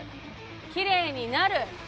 きれいになる。